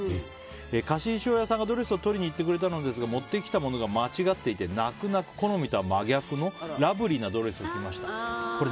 貸衣装屋さんがドレスを取りに行ってくれたんですが持ってきたものが間違っていて泣く泣く好みとは真逆のラブリーなドレスを着ました。